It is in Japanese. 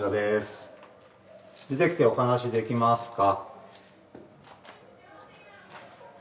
出てきてお話しできますか？